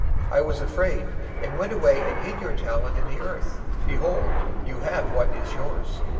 025:025 I was afraid, and went away and hid your talent in the earth. Behold, you have what is yours.'